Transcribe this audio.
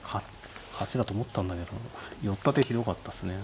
勝ちだと思ったんだけど寄った手ひどかったっすね。